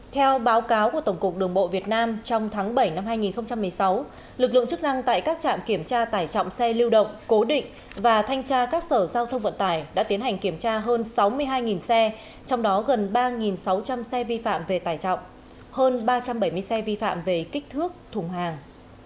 theo báo cáo của tổng cục đường bộ việt nam trong tháng bảy năm hai nghìn một mươi sáu lực lượng chức năng tại các trạm kiểm tra tải trọng xe lưu động cố định và thanh tra các sở giao thông vận tải đã tiến hành kiểm tra hơn sáu mươi hai xe trong đó gần ba sáu trăm linh xe vi phạm về tải trọng hơn ba trăm bảy mươi xe vi phạm về kích thước thùng hàng